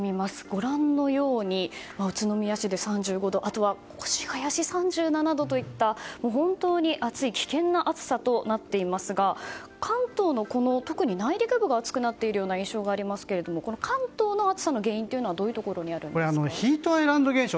ご覧のように、宇都宮市で３５度あとは越谷市３７度といった本当に暑い危険な暑さとなっていますが関東の、特に内陸部が暑くなっているような印象がありますが関東の暑さの原因はこれ、ヒートアイランド現象。